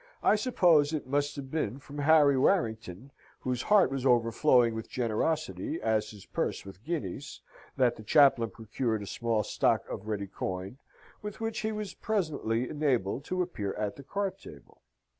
I suppose it must have been from Harry Warrington, whose heart was overflowing with generosity as his purse with guineas, that the chaplain procured a small stock of ready coin, with which he was presently enabled to appear at the card table.